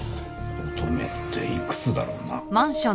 「乙女」っていくつだろうな？